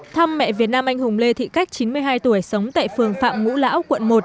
thăm mẹ việt nam anh hùng lê thị cách chín mươi hai tuổi sống tại phường phạm ngũ lão quận một